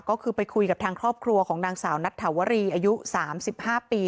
ก็คือไปคุยกับทางครอบครัวของนางสาวนัทถาวรีอายุ๓๕ปี